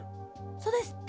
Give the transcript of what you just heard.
そうですって！